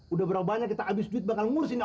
udah berapa banyak kita abis duit bakal ngurusin ya